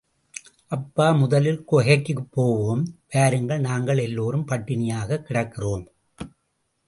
அப்பா, முதலில் குகைக்குப் போவோம், வாருங்கள், நாங்கள் எல்லாரும் பட்டினியாகக் கிடக்கிறோம்.